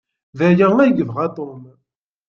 D aya ay yebɣa Tom.